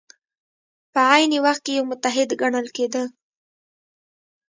په عین وخت کې یو متحد ګڼل کېده.